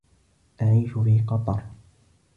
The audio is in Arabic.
أعيش في قطر.